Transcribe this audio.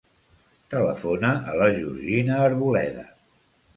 Telefona a la Georgina Arboleda.